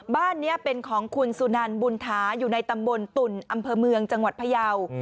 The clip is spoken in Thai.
บ้านนี้เป็นของคุณสุนันบุญถาอยู่ในตำบลตุ่นอำเภอเมืองจังหวัดพยาว